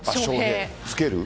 つける？